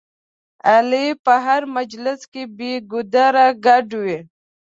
علي په هر مجلس کې بې ګودره ګډ وي.